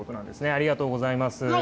ありがとうございます。